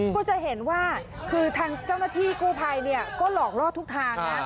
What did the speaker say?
เธอจะเห็นว่าทั้งเจ้าหน้าที่กู้ไพท์เนี่ยก็หลอกล่อทุกทาง